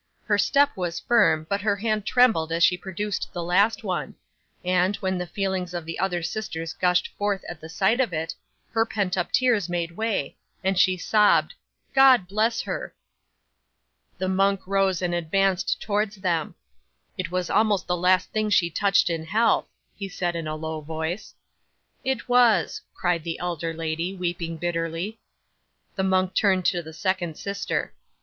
Her step was firm, but her hand trembled as she produced the last one; and, when the feelings of the other sisters gushed forth at sight of it, her pent up tears made way, and she sobbed "God bless her!" 'The monk rose and advanced towards them. "It was almost the last thing she touched in health," he said in a low voice. '"It was," cried the elder lady, weeping bitterly. 'The monk turned to the second sister.